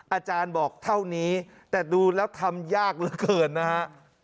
อาจารย์บอกเท่านี้แต่ดูแล้วทำยากเหลือเกินนะฮะ